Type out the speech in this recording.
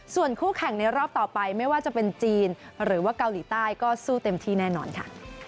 ส่วนคู่แข่งในรอบต่อไปไม่ว่าจะเป็นจีนหรือว่าเกาหลีใต้ก็สู้เต็มที่แน่นอนค่ะ